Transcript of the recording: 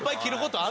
ある？